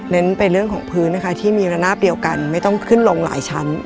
ไปเรื่องของพื้นนะคะที่มีระนาบเดียวกันไม่ต้องขึ้นลงหลายชั้น